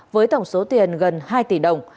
với tổng số tiền gần hai tỷ đồng